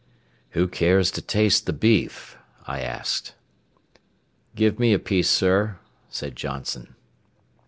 "Who cares to taste the beef?" I asked. "Give me a piece, sir," said Johnson.